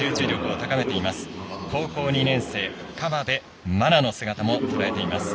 高校２年生河辺愛菜の姿もとらえています。